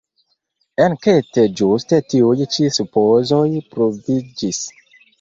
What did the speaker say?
Enkete ĝuste tiuj ĉi supozoj pruviĝis.